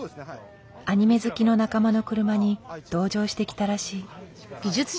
アニメ好きの仲間の車に同乗してきたらしい。